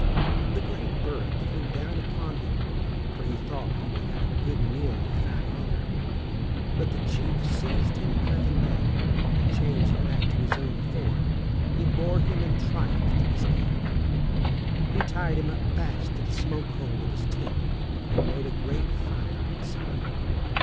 The grey bird flew down upon him, for he thought he would have a good meal of fat otter. But the Chief seized him by the leg, and changing back to his own form, he bore him in triumph to his camp. He tied him up fast to the smoke hole of his tent and made a great fire inside.